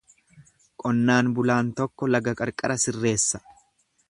Qonnaan bulaan tokko laga qarqara sirreessa.